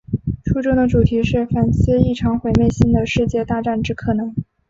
书中的主题是反思一场毁灭性的世界大战之可能。